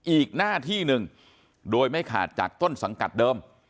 อีกหน้าที่หนึ่งโดยไม่ขาดจากต้นสังกัดเดิม